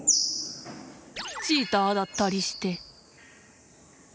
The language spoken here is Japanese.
チーターだったりして。